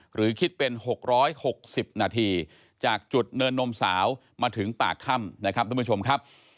หรือคิดเป็น๖๖๐นาทีจากจุดเนินนมสาวมาถึงปากค่ำ